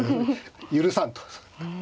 許さんと。